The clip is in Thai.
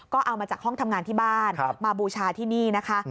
ก็เอามาจากห้องทำงานที่บ้านมาบูชาที่นี่นะคะ